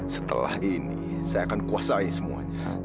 setelah ini saya akan kuasai semuanya